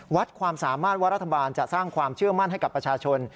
ความสามารถว่ารัฐบาลจะสร้างความเชื่อมั่นให้กับประชาชน